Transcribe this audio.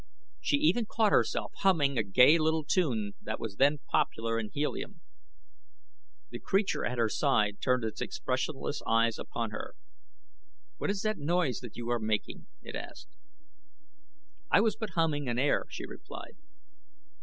She even caught herself humming a gay little tune that was then popular in Helium. The creature at her side turned its expressionless eyes upon her. "What is that noise that you are making?" it asked. "I was but humming an air," she replied.